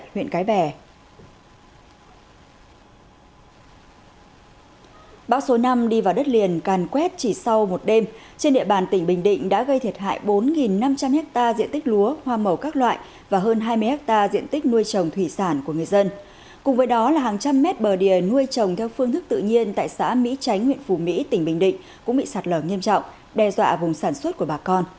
huyện phù mỹ tỉnh bình định cũng bị sạt lở nghiêm trọng đe dọa vùng sản xuất của bà con